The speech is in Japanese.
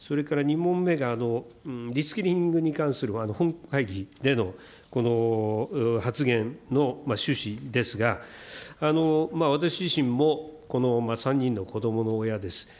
それから２問めがリスキリングに関する本会議でのこの発言の趣旨ですが、私自身も３人の子どもの親です。